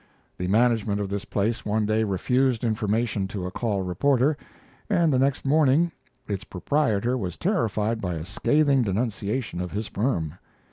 The management of this place one day refused information to a Call reporter, and the next morning its proprietor was terrified by a scathing denunciation of his firm.